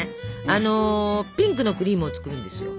あのピンクのクリームを作るんですよ。